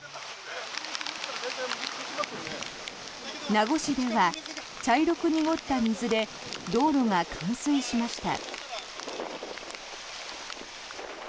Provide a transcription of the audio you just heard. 名護市では茶色く濁った水で道路が冠水しました。